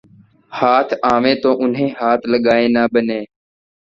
ہاتھ آویں تو انہیں ہاتھ لگائے نہ بنے